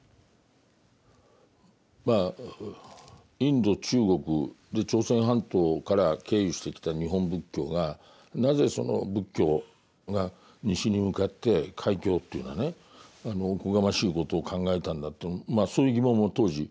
まあインド中国朝鮮半島から経由してきた日本仏教がなぜその仏教が西に向かって開教というようなねおこがましいことを考えたんだってそういう疑問も当時私持ったんですが。